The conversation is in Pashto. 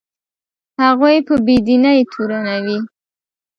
هغوی په بې دینۍ تورنوي.